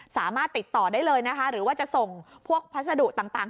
สามารถติดต่อได้เลยนะคะหรือว่าจะส่งพวกพัสดุต่าง